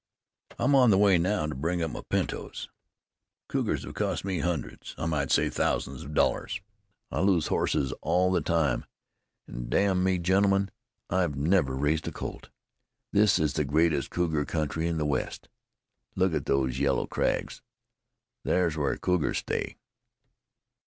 I'm on the way now to bring up my pintos. The cougars hev cost me hundreds I might say thousands of dollars. I lose hosses all the time; an' damn me, gentlemen, I've never raised a colt. This is the greatest cougar country in the West. Look at those yellow crags! Thar's where the cougars stay.